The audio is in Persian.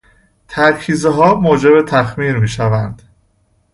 ترکیزهها موجب تخمیر میشوند.